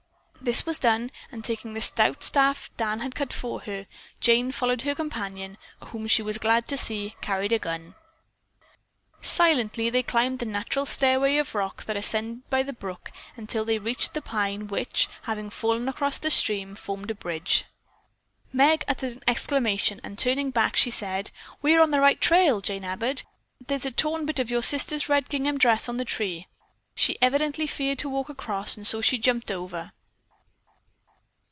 This was done, and taking the stout staff Dan had cut for her, Jane followed her companion, whom she was glad to see carried a gun. Silently they climbed the natural stairway of rocks that ascended by the brook until they reached the pine which, having fallen across the stream, formed a bridge. Meg uttered an exclamation and turning back she said: "We are on the right trail, Jane Abbott. There is a torn bit of your sister's red gingham dress on the tree. She evidently feared to walk across and so she jumped over."